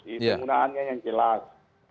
penggunaannya yang jelas